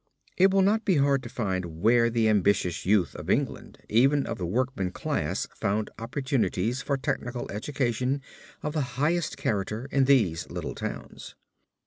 It will not be hard to find where the ambitious youth of England even of the workman class found opportunities for technical education of the highest character in these little towns.